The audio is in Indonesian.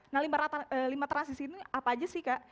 nah lima transisi ini apa aja sih kak